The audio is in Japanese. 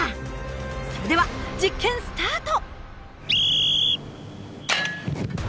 それでは実験スタート！